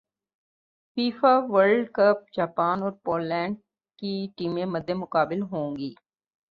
FIFA World Cup Japan اور Poland کی ٹیمیں مدمقابل ہوں گی